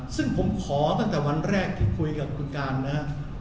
ซึ่งผมขอตั้งแต่วันแรกที่คุยกับคุณการนะครับ